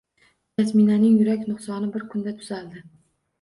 Jasminaning yurak nuqsoni bir kunda tuzaldi